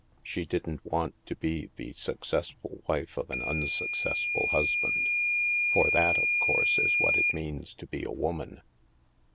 She didn't want to be the successful wife of an unsuccessful husband. For that, of course, is what it means to be a woman.